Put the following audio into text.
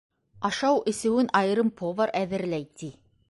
Ашау-эсеүен айырым повар әҙерләй, ти.